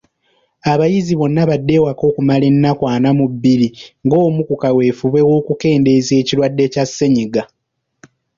Abayizi bonna badde ewaka okumala ennaku ana mu bbiri ng’omu ku kaweefube w’okukendeeza ekirwadde kya ssennyiga.